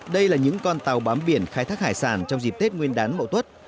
đây là những con tàu bám biển khai thác hải sản trong dịp tết nguyên đán mậu tuất